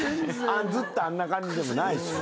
ずっとあんな感じでもないし。